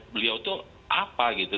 beliau itu apa gitu